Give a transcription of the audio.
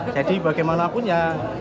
jadi bagaimanapun ya